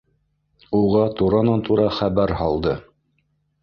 Уға туранан-тура хәбәр һалды: